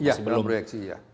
ya dalam proyeksi ya